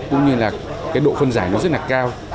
cũng như là cái độ phân giải nó rất là cao